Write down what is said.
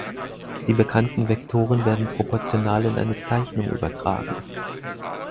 Die bekannten Vektoren werden proportional in eine Zeichnung übertragen.